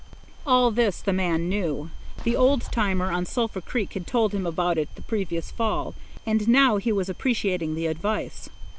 All this the man knew. The old timer on Sulphur Creek had told him about it the previous fall, and now he was appreciating the advice.